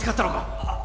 あっ。